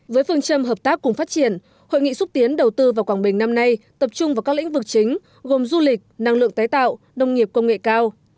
với phương châm hợp tác cùng phát triển hội nghị xúc tiến đầu tư vào quảng bình năm nay tập trung vào các lĩnh vực chính gồm du lịch năng lượng tái tạo nông nghiệp công nghệ cao